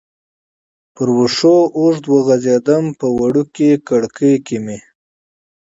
پر وښو اوږد وغځېدم، په وړوکې کړکۍ کې مې.